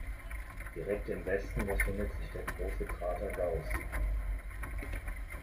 Direkt im Westen befindet sich der große Krater Gauss.